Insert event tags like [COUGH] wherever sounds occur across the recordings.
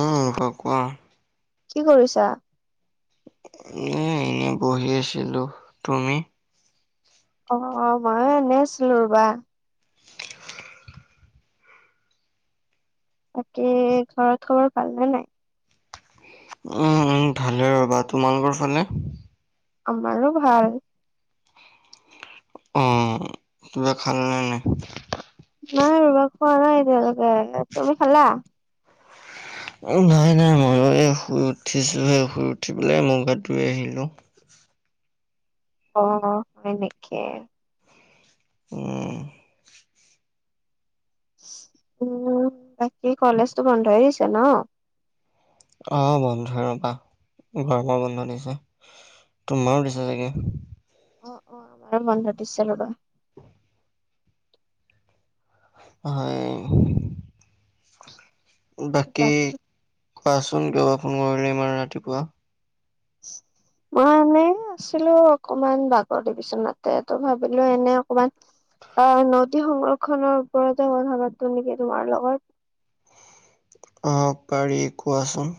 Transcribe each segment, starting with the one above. উম কোৱা। কি কৰিছা? এ এনে বহি আছিলো। তুমি? অ অ ময়ো এনে আছিলো ৰবা। তাকে ঘৰত খবৰ ভাল নে নাই? উম উম ভালে ৰ'বা। তোমালোকৰ ফালে? আমাৰো ভাল। অ কিবা খালানে নাই? নাই ৰবা খোৱা নাই এতিয়ালৈকে। তুমি খালা? নাই নাই ময়ো এই শুই উঠিছোহে শুই উঠি পেলাই মোৰ গা ধুই আহিলোঁ। অ হয় নেকি? উম। উম বাকী কলেজটো বন্ধই দিছে ন? অ বন্ধই ৰ'বা গৰমৰ বন্ধ দিছে। তোমাও দিছে চাগে? অ অ আমাৰো বন্ধ দিছে ৰ'বা। হয়। [UNINTELLIGIBLE] বাকী কোৱাচোন কিয় বা ফোন কৰিলি ইমান ৰাতিপুৱা? মই এনে আছিলো অকমান বাগৰি বিচনাতে তো ভাবিলো এনে অকমান অ নদী সংৰক্ষনৰৰ ওপৰতে কথা পাতো নেকি তোমাৰ লগত। অ পাৰি কোৱাচোন।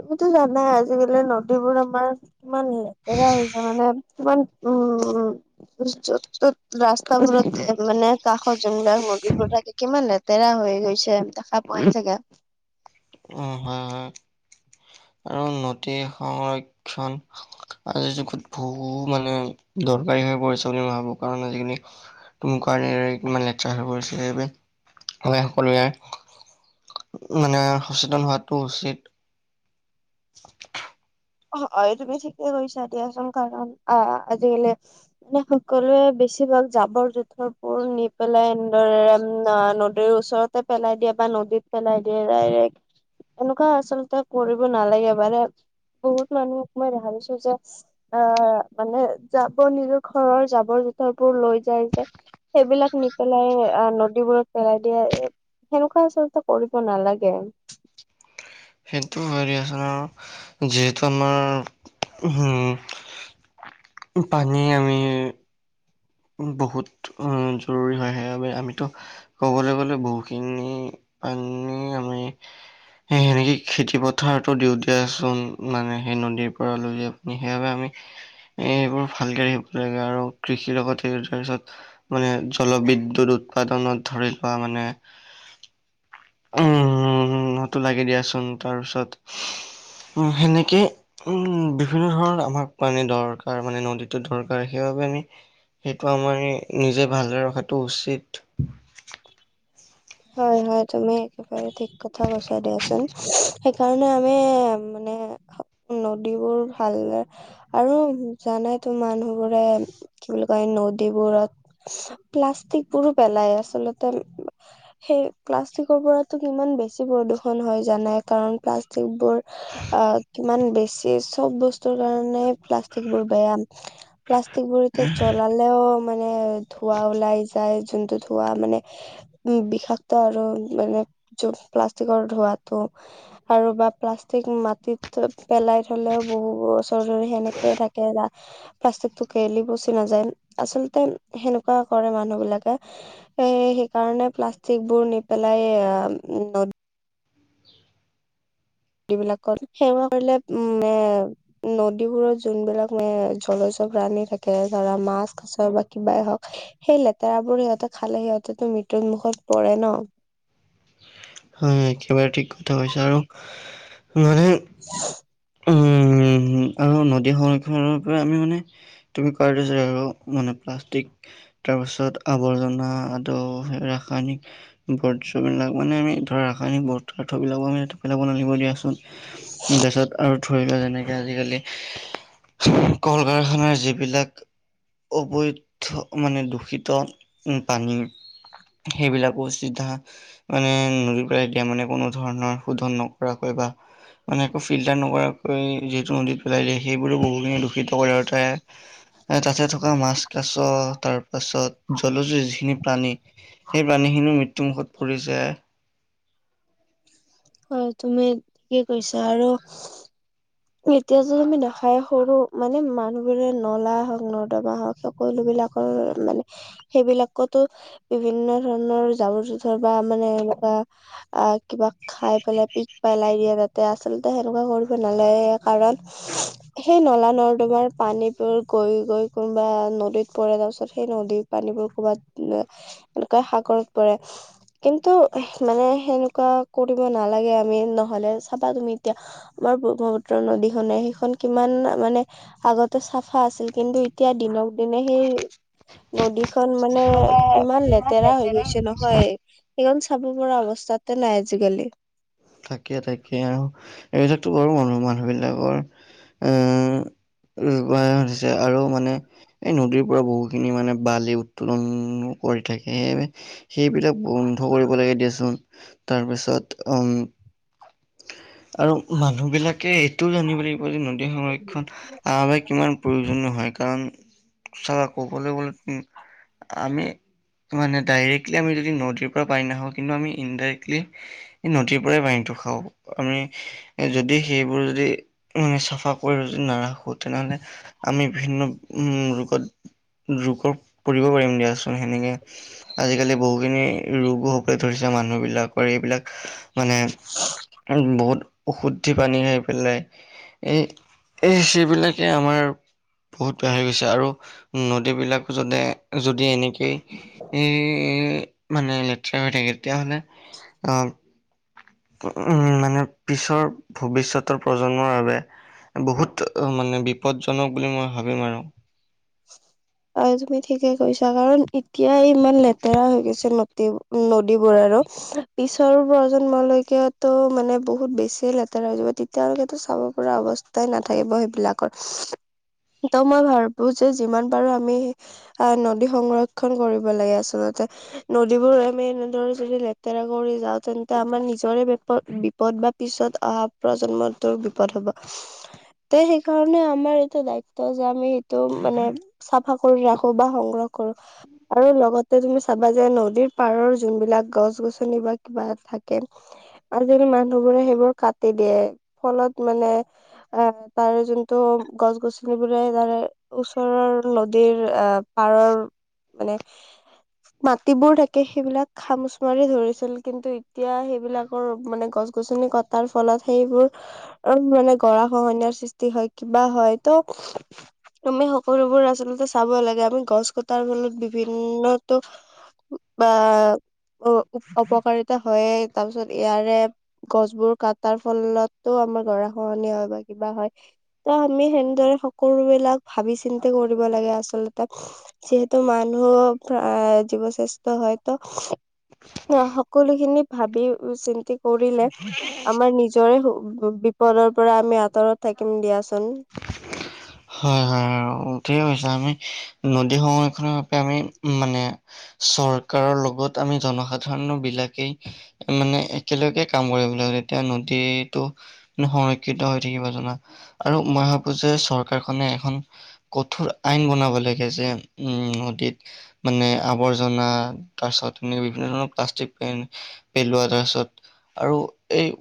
তুমিতো জানাই আজিকালি নদীবোৰ আমাৰ কিমান হে লেতেৰা হৈছে মানে কিমান উম উম যত ‌তত ৰাস্তা বোৰতে মানে কাষত যোনবিলাক নদীবোৰ থাকে কিমান লেতেৰা হৈ গৈছে দেখা পোৱা‌‌ই চাগে। উম হয় হয় আৰু নদী সংৰক্ষণ আজিৰ যুগত বহু মানে দৰকাৰী হৈ পৰিছে বুলি মই ভাবো কাৰণ আজিকালি কোনো কাৰণে কিমান লেতেৰা হৈ পৰিছে সেইবাবে মই সকলোৱে মানে সচেতন হোৱাতটো উচিত। [UNINTELLIGIBLE] অহ হয় তুমি ঠিকে কৈছা দিয়াচোন কাৰণ আহ আজিকালি মানে সকলোৱে বেছি ভাল জাবৰ জোথৰবোৰ নি পেলাই এনেদৰে নদীৰ ওচৰ তে পেলাই দিয়ে বা নদীত পেলাই দিয়ে ডাইৰেক্ট। এনেকুৱা আচলতে কৰিব নালাগে বাৰে বহুত মানুহক মই দেখা পাইছো যে আহ মানে জাবৰ নিজৰ ঘৰৰ জাবৰ জোথৰবোৰ লৈ যায় যে, সেইবিলাক নিপেলাই আহ নদীবোৰত পেলাই দিয়ে। সেনেকুৱা আচলতে কৰিব নালাগে। সেইটো হয়। যিহেতু আমাৰ হম্ পানী আমি- বহুত উম জৰুৰী হয় সেই বাবে আমিতো ক'বলৈ গ'লে বহুখিনি পানী আমি- সেই সেনেকে খেতি পথাৰতটো দিওঁতেচোন মানে সেই নদীৰ পৰা লৈ যায়। সেইবাবে আমি এইবোৰ ভালকে এ আৰু কৃষিৰ লগত তাৰ পিছত মানে জলবিদ্যুত উৎপাদনত ধৰি লোৱা মানে উমম সটো লাগে দিয়াচোন তাৰপাছত উম সেনেকেই উম বিভিন্ন ধৰণৰ আমাক পানী দৰকাৰ মানে নদীতো দৰকাৰ সেইবাবে আমি- সেইটো আমাৰ এ নিজে ভালে ৰখাতটো উচিত হয় হয় তুমি একেবাৰে ঠিক কথা কৈছা দিয়াচোন। সেইকাৰণে আমি এ মানে হ নদীবোৰ ভাল- আৰু জানা তো মানুহ বোৰে কি বুলি কয় নদীবোৰত- প্লাষ্টিক বোৰো পেলায় আচলতে- সেই প্লাষ্টিকৰ পৰাতো কিমান বেছি প্ৰদূষন হয় জানাই, কাৰণ প্লাষ্টিক বোৰ- অ কিমান বেছি চব বস্তুৰ কাৰণে প্লাষ্টিক বোৰ বেয়া। প্লাষ্টিকবোৰ এতিয়া জ্বলালেও- মানে ধোৱা ওলাই যায়, যোনটো ধৱা মানে উ বিশ- ষাত আৰু মানে যত প্লাষ্টিকৰ ধোৱাতটো- আৰু বা প্লাষ্টিক মাটিত ত পেলাই থলেও বহু ওচৰ ধৰি সেনেকে থাকে ৰা- প্লাষ্টিকটো গেলি পচি নাযায় আচলতে সেনেকুৱা কৰে মানুহ বিলাকে- এ সেইকাৰণে প্লাষ্টিক বোৰ নি পেলাই এ আ ন- দি বিলাকত সেৱা কৰিলে উ মে- নদীবোৰত যোনবিলাক মে জলচ প্ৰণী থাকে ধৰা মাছ কাছৰ বা কিবাই হওক- সেই লেতেৰাবোৰ সিহঁতে খালে সিহঁতেতো মৃত্যুুৰ মুখত পৰে ন। হয় একেবাৰে ঠিক কথা কৈছা, আৰু মানে উম- উম আৰু নদী সংৰক্ষণ পৰা আমি মানে তুমি কৰা আৰু মানে প্লাষ্টিক- তাৰপাছত আৱৰ্জনা আৰু ৰাসায়নিক বৰ্জবিলাক মানে আমি- ৰাসায়নিক [UNINTELLIGIBLE] তাৰ পিছত আৰু ধৰিল যেনেকে আজিকালি কল কাৰখানাৰ যিবিলাক- অবৈধ মানে দূষিত উম পানী- সেইবিলাকো চিধা মানে ন- ই এতিয়া মানে কোনো ধৰণৰ শোধন নকৰাকৈ বা- মানে একো ফিল্টাৰ নকৰাকৈ যিহেতু নদীত পেলাই দিয়ে সেইবোৰো বহুখিনি দূষিত কৰে আৰু তাই- এ তাতে থকা মাছ কাছ তাৰ পাছত জলজুৰি যিখিনি প্ৰাণী- সেই পানীখিনিও মৃত্যুমুখত পৰিছে। হয় তুমি ঠিকে কৈছা আৰু- এতিয়া যদি আমি নাখায় সৰু মানে মানুহবোৰে নলা হওক নৰ্দমা হওক। সকলো বিলাকৰ মানে- সেইবিলাকতো বিভিন্ন ধৰণৰ জাবৰ জোথৰ বা মানে এনেকোৱা আহ কিবা খাই পেলাই পিক পেলাই দিয়ে তাতে আচলতে সেনেকোৱা কৰিব নালাগে- গে, কাৰণ- উ [UNINTELLIGIBLE] সেই নলা নদৰ্মা পানীবোৰ গৈ গৈ কোনোবা নদীত পৰে তাৰপিছত সেই নদীত- পানীবোৰ ক'ৰবাত এনেকুৱা সাগৰত পৰে। কিন্তু মানে সেনেকুৱা কৰিব নালাগে আমি নহলে, চাবা তুমি এতিয়া আমাৰ ব্ৰহ্মপুত্ৰৰ নদীখনে সেইখন কিমান মানে- আগতে চাফা আছিল, কিন্তু এতিয়া দিনক দিনে সেই- নদীখন মানে ইমান লেতেৰা হৈ গৈছে নহয়। সেইখন চাব পৰা অৱস্থাতে নাই আজিকালি। তাকে তাকে অঁ, এইবিলাকতো বাৰু মানুহ মানুহ বিলাকৰ এ। ৰোবায়া সুধিছে আৰু মানে এই নদীৰ পৰা বহু খিনি মানে বালি উত্তলনো কৰি থাকে সেইবিলাক বন্ধ কৰিব লাগে দিয়াচোন তাৰপিছত অ উম- আৰু মানুহ বিলাকে এইটোও জানিব লাগিব যে, নদী সংৰক্ষণ- আ ভাই কিমান প্ৰয়োজনীয় হয় কাৰণ চা কবলৈ গ'লে আমি মানে ডাইৰেক্টলি আমি যদি নদীৰ পৰা পানী নাখাও কিন্তু আমি ইনডাইৰেক্টলি এই নদীৰ পৰাই পানীতো খাঁও আমি যদি সেইবোৰ যদি মানে চাফা কৰি যদি নাৰাখো তেনেহ'লে আমি বিভিন্ন উম ৰোগত ৰোগৰ পৰিব পাৰিম দিয়া সেনেকে আজিকালি বহুখিনি ৰোগো হবলৈ ধৰিছে মানুহ বিলাকৰ এইবিলাক মানে বহুত অশুদ্ধি পানী খাই পেলাই এই এচিবিলাকে আমাৰ বহুত বেয়া হৈ গৈছে আৰু নদীবিলাকো জোনে যদি এনেকেই এ মানে লেতেৰা হৈ থাকে তেতিয়াহ'লে অ উম মানে পিছৰ ভৱিষ্যতৰ প্ৰজন্মৰ বাবে বহুত মানে বিপদজনক বুলি মই ভাবিম আৰু [INAUDIBLE] আৰু তুমি ঠিকে কৈছা কাৰণ এতিয়াই ইমান লেতেৰা হৈ গৈছে নদী নদীবোৰ আৰু পিছৰ প্ৰজন্মলৈক তো মানে বহুত বেছিয়ে লেতেৰা হৈ যাব তে তিয়া আৰু চাব পৰা অৱস্থাই নাথাকিব সেইবিলাকত ত মই ভাব বো যে যিমান পাৰো আমি আহ নদী সংৰক্ষন কৰিব লাগে আচলতে নদীবোৰ আমি এনেদৰে যদি লেতেৰা কৰি যাওঁ তেন্তে আমাৰ নিজৰে বিপদ বি পদ বা পিছত অহা প্ৰজন্মটোৰ বিপদ হব। তে সেইকাৰণে আমাৰ এটা দায়িত্ব যে আমি তো মানে চাফা কৰি ৰাখো বা সংগ্ৰহ কৰোঁ আৰু লগতে তুমি চাবা যে নদীৰ পাৰৰ যোনবিলাক গছ-গছনি বা কিবা থাকে। আজিকালি মানুহবোৰে সেইবোৰ কাটি দিয়ে ফলত মানে আহ তাৰে যোনটো গছ গছনি বোৰে তাৰে ওচৰৰ নদীৰ অহ পাৰৰ মানে [UNINTELLIGIBLE] মাটিবোৰ থাকে সেইবিলাক খামোচ মাৰি ধৰিছিল কিন্তু এতিয়া সেইবিলাকৰ মানে গছ গছনি ক টাৰ ফলত সেইবোৰ আৰু মানে গৰা খহনীয়াৰ সৃষ্টি হয় কিবা হয় ত' আমি সকলোবোৰ আচলতে চাব লাগে আমি গছ কটাৰ ফলত বিভিন্নতো বা উ অপকাৰিতা হয়ে তাৰপিছত ইয়াৰে গছ বোৰ কটাৰ ফলতো আমাৰ গৰাখহনীয়া হয় বা কিবা হয়। ত আমি সেনেদৰে সকলো বিলাক ভাবি চিন্তি কৰিব লাগে আচলতে। যিহেতু মানুহ জীৱ শ্ৰেষ্ঠ হয়ত। অ সকলোখিনি ভাবি চিন্তি কৰিলে। আমাৰ নিজৰে বিপদৰ পৰা আমি আঁতৰত থাকিম দিয়াচোন। হয় হয় আৰু ঠিকে কৈছা আমি নদী সংৰক্ষণৰ বাবে আমি মানে চৰকাৰৰ লগত আমি জনসাধাৰণ বিলাকেই মানে একেলগে কাম কৰিব লাগে তেতিয়া নদীটো সংৰক্ষিত হৈ থাকিব জানা আৰু মই ভাবো যে চৰকাৰখনে এখন কঠোৰ আইন বনাব লাগে যে উম নদীত মানে আৱৰ্জনা তাৰ পিছত এনে বিভিন্ন ধৰণৰ প্লাষ্টিক পেন পেলোৱা তাৰ পিছত আৰু এই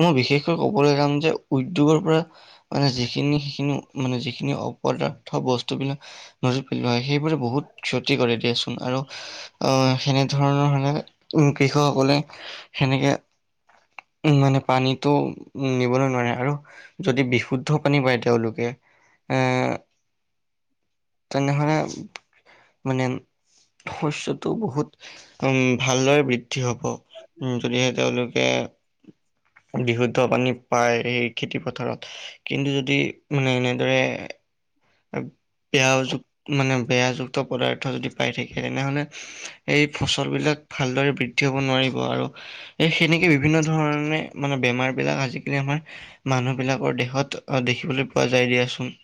মই বিশেষকৈ ক'বলৈ যাম যে উদ্যোগৰ পৰা মানে যিখিনি সিখিনিও মানে যিখিনি অপদাৰ্থ বস্তুবিলাক নদী পেলোৱা হয় সেইবোৰে বহুত ক্ষতি কৰে দিয়াচোন আৰু সেনে- ধৰণৰ সনে কৃষকসকলে সেনেকে উ মানে পানীটো উম নিবলে নোৱাৰে আৰু। যদি বিশুদ্ধ পানী বায় তেওঁলোকে এ তেনেহলে, মানে শস্যটো বহুত উ ভালদৰে বৃ- দ্ধি হ'ব যদিহে তেওঁলোকে বিশুদ্ধ পানী পায় সেই খেতি পথাৰত কিন্তু যদি মানে এনে- ৰে বেয়া অযুক মানে বেয়াযুক্ত পদাৰ্থ যদি পাই থাকে তেনেহলে এই ফচলবিলাক ভালদৰে বৃদ্ধি হব নোৱাৰিব আৰু এ সেনেকে বিভিন্ন ধৰণে মানে বেমাৰ বিলাক আজিকালি আমাৰ মানুহবিলাকৰ দেহত দেখিবলৈ পোৱা যায় দিয়াচোন।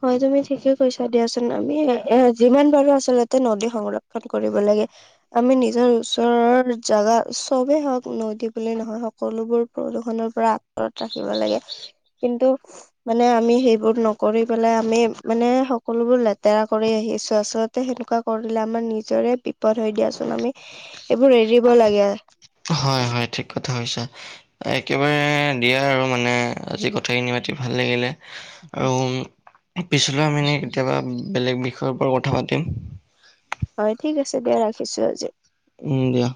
হয় তুমি ঠিকে কৈছা দিয়াচোন আমি এ যিমান পাৰোঁ আচলতে নদী সংৰক্ষন কৰিব লাগে। আমি নিজৰ ওচৰৰ জেগা চবেই হওঁক নদী বুলি নহয় হওঁক সকলোবোৰ প্ৰদূষণৰ পৰা আঁতৰত ৰাখিব লাগে। কিন্তু মানে আমি সেইবোৰ ন- কৰি পেলাই আমি মানে সকলোবোৰ লেতেৰা কৰি আহিছো আচলতে সেনেকুৱা কৰিলে আমাৰ নিজৰে বি- পদ হৈ দিয়াচোন আমি এইবোৰ এৰিব লাগে। হয় হয় ঠিক কথা কৈছা। একেবাৰে দিয়া আৰু মানে আজি কথাখিনি পাতি ভাল লাগিলে। আৰু পিছলে আমি কেতিয়াবা বেলেগ বিষয়ৰ ওপৰত কথা পাতিম। হয় ঠিক আছে দিয়া ৰাখিছো আজি। উম দিয়া।